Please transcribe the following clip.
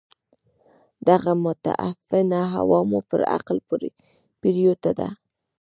دغه متعفنه هوا مو پر عقل پرېوته ده.